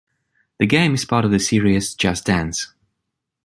The game is part of the series “Just Dance”.